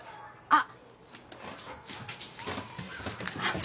あっ。